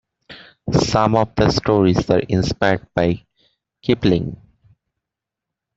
Some of the stories are inspired by Kipling.